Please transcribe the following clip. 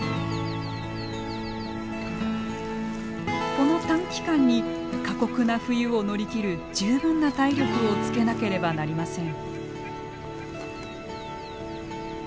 この短期間に過酷な冬を乗り切る十分な体力をつけなければなりません。